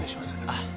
あっ。